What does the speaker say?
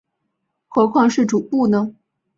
何况是主簿呢？